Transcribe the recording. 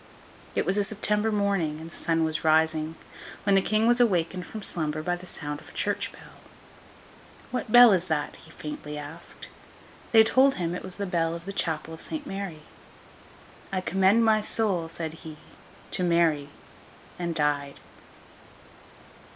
It was a September morning, and the sun was rising, when the King was awakened from slumber by the sound of a church bell. 'What bell is that?' he faintly asked. They told him it was the bell of the chapel of Saint Mary. 'I commend my soul,' said he, 'to Mary!' and died.